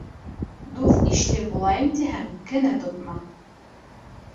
Дуҫ-ишле булайым тиһәң, кенә тотма.